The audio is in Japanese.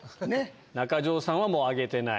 中条さんはもう挙げてない。